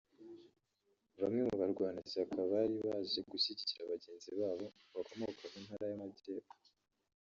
Bamwe mu barwanashyaka bari baje gushyigikira bagenzi babo bakomoka mu ntara y’amajyepfo